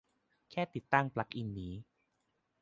แค่ติดตั้งปลั๊กอินนี้